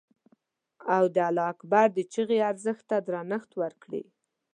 او د الله اکبر د چیغې ارزښت ته درنښت وکړي.